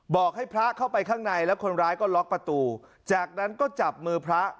บอกให้พระเข้าไปข้างในแล้วคนร้ายก็ล็อกประตูจากนั้นก็จับมือพระ